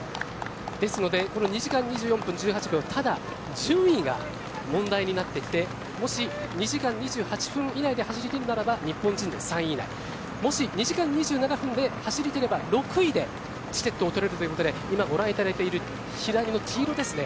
ですのでこの２時間２４分１８秒ただ順位が問題になってきてもし２時間２８分以内で走り切るならば日本人で３位以内もし２時間２７分で走り切れば６位でチケットを取れるということで今、ご覧いただいている左の黄色ですね。